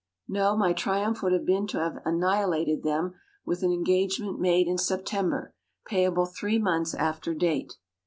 No: my triumph would have been to have annihilated them with an engagement made in September, payable three months after date.